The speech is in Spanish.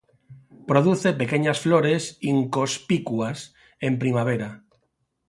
Produce pequeñas flores inconspicuas en primavera.